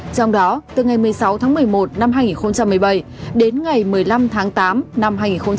trong đó từ ngày một mươi sáu tháng một mươi một năm hai nghìn một mươi bảy đến ngày một mươi năm tháng tám năm hai nghìn một mươi tám